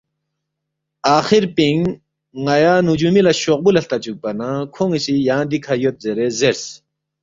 آخر پِنگ ن٘یا نجُومی لہ شوقبُو لہ ہلتا چُوکپا نہ کھون٘ی سی یانگ دِکھہ یود زیرے زیرس